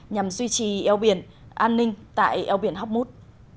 nhằm duy trì eo biển an ninh tại eo biển hoc mút